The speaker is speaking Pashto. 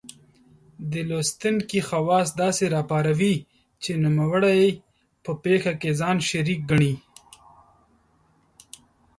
د لوستونکې حواس داسې را پاروي چې نوموړی په پېښه کې ځان شریک ګڼي.